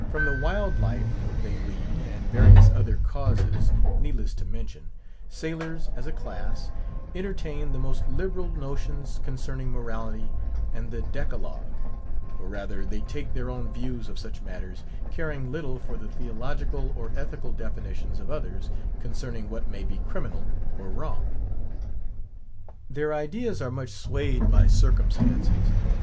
From the wild life they lead, and various other causes (needless to mention), sailors, as a class, entertain the most liberal notions concerning morality and the Decalogue; or rather, they take their own views of such matters, caring little for the theological or ethical definitions of others concerning what may be criminal, or wrong. Their ideas are much swayed by circumstances.